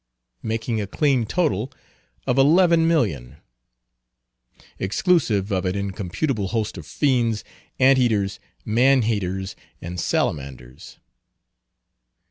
Making a clean total of 11,000,000, exclusive of an incomputable host of fiends, ant eaters, man haters, and salamanders.